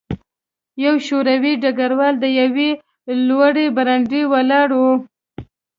یو شوروي ډګروال په یوه لوړه برنډه ولاړ و